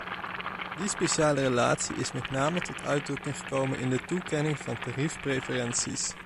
Die speciale relatie is met name tot uitdrukking gekomen in de toekenning van tariefpreferenties.